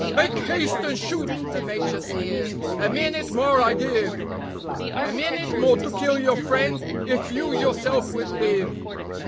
"Make haste and shoot," the Major sneered; "a minute more I give; A minute more to kill your friend, if you yourself would live."